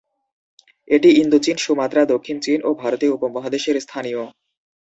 এটি ইন্দোচীন, সুমাত্রা, দক্ষিণ চীন এবং ভারতীয় উপমহাদেশের স্থানীয়।